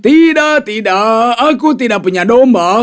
tidak tidak aku tidak punya domba